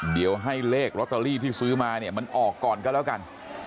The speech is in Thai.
เดี๋ยวให้เลขลอตเตอรี่ที่ซื้อมาเนี่ยมันออกก่อนก็แล้วกัน